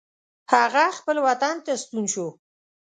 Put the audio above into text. هغه خپل وطن ته ستون شو.